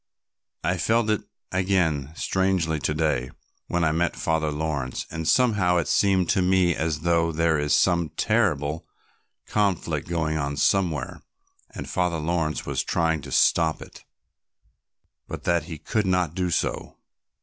I felt it again strangely to day when I met Father Laurence, and somehow it seemed to me as though there was some terrible conflict going on somewhere, and Father Laurence was trying to stop it, but that he could not do so."